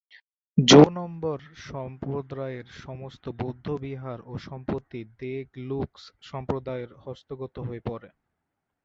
জো-নম্বর ধর্মসম্প্রদায়ের সমস্ত বৌদ্ধবিহার ও সম্পত্তি দ্গে-লুগ্স ধর্মসম্প্রদায়ের হস্তগত হয়ে পড়ে।